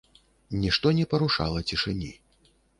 Нішто не парушала цішыні.